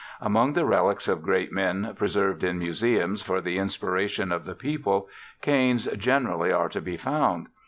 Among the relics of great men preserved in museums for the inspiration of the people canes generally are to be found.